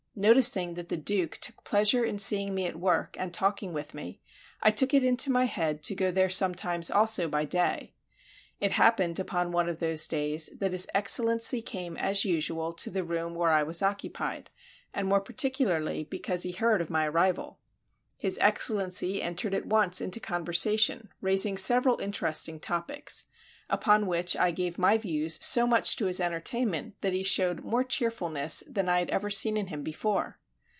Noticing that the Duke took pleasure in seeing me at work and talking with me, I took it into my head to go there sometimes also by day. It happened upon one of those days that his Excellency came as usual to the room where I was occupied, and more particularly because he heard of my arrival. His Excellency entered at once into conversation, raising several interesting topics, upon which I gave my views so much to his entertainment that he showed more cheerfulness than I had ever seen in him before.